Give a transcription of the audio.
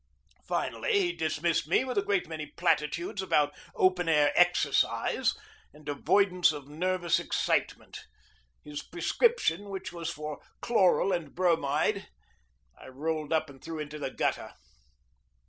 Finally he dismissed me with a great many platitudes about open air exercise, and avoidance of nervous excitement. His prescription, which was for chloral and bromide, I rolled up and threw into the gutter.